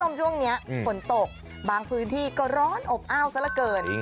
ช่วงนี้ฝนตกบางพื้นที่ก็ร้อนอบอ้าวซะละเกิน